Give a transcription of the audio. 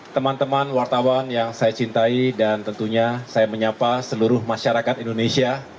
teman teman wartawan yang saya cintai dan tentunya saya menyapa seluruh masyarakat indonesia